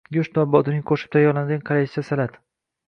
Go‘sht va bodring qo‘shib tayyorlanadigan koreyscha salat